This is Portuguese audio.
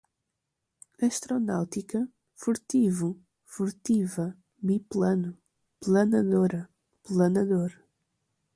Astronáutica, furtivo, furtiva, biplano, planadora, planador